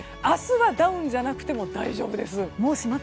明日はダウンじゃなくても大丈夫です。